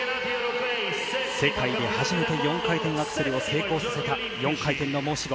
世界で初めて４回転アクセルを成功させた４回転の申し子